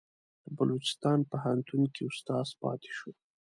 په بلوچستان پوهنتون کې استاد پاتې شو.